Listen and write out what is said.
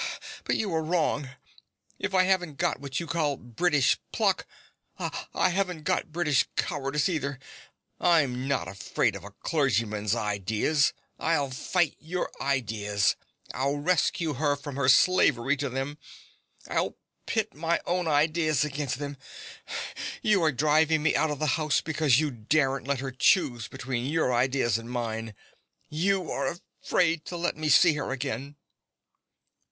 But you're wrong. If I haven't got what you call British pluck, I haven't British cowardice either: I'm not afraid of a clergyman's ideas. I'll fight your ideas. I'll rescue her from her slavery to them: I'll pit my own ideas against them. You are driving me out of the house because you daren't let her choose between your ideas and mine. You are afraid to let me see her again.